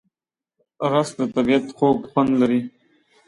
رس د طبیعت خوږ خوند لري